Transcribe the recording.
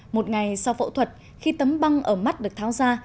một ngày sau phẫu thuật khi tấm băng ở mắt được tháo ra